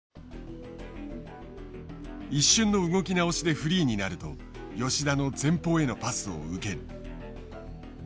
一瞬の動き直しでフリーになると吉田の前方へのパスを受ける。